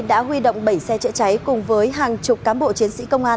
đã huy động bảy xe chạy cháy cùng với hàng chục cám bộ chiến sĩ công an